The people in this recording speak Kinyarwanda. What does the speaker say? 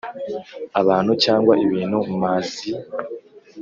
abantu cyangwa ibintu ku mazi